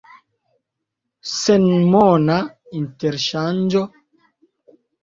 Senmona interŝanĝo?